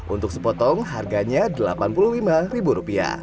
untuk sepotong harganya rp delapan puluh lima